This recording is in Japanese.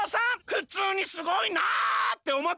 ふつうにすごいなっておもったから。